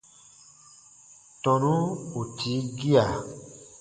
Tɔnu ù tii gia.